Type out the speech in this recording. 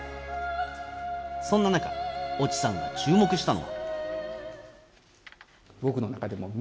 そんな中、越智さんが注目したのは。